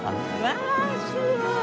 わあすごい！